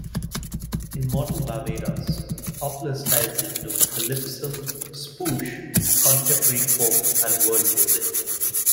In modern Barbados, popular styles include calypso, spouge, contemporary folk and world music.